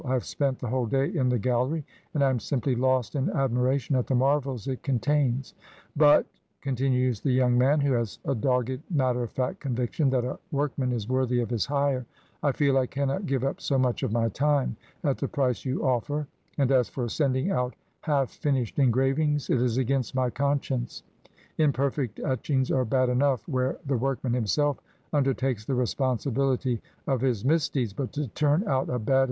I have spent the whole day in the Gallery, and I am simply lost in admiration at the marvels it contains; but," continues the young man, who has a dogged matter of fact conviction that a workman is worthy of his hire, "I feel I cannot give up so much of my time at the price you offer, and, as for sending out half finished engravings, it is against my conscience. Imperfect etchings are bad enough, where the workman himself undertakes the respon sibility of his misdeeds, but to turn out a bad PRINCE Hassan's carpet.